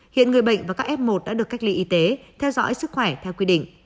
hiện người bệnh và các f một đã được cách ly y tế theo dõi sức khỏe theo quy định